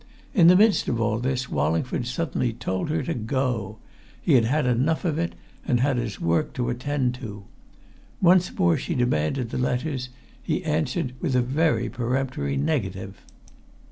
In the midst of all this Wallingford suddenly told her to go; he had had enough of it, and had his work to attend to. Once more she demanded the letters; he answered with a very peremptory negative.